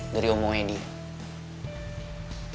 dari omongannya dia